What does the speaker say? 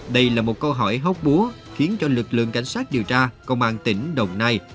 đây là một câu hỏi hốc búa khiến cho lực lượng cảnh sát điều tra công an tỉnh đồng nai